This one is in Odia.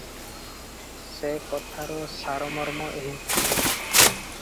ସେ କଥାର ସାରମର୍ମ ଏହି -